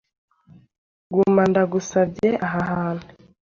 Guma ndagusabye aha hantu